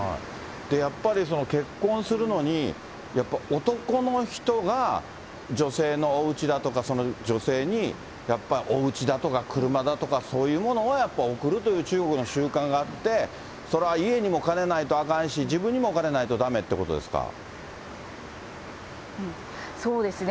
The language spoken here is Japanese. やっぱり結婚するのに、やっぱ男の人が女性のおうちだとか、女性に、やっぱおうちだとか、車だとか、そういうものをやっぱり贈るという中国の習慣があって、それは家にも金ないとあかんし、自分にもお金ないとだめってことそうですね。